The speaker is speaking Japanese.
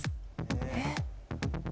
えっ？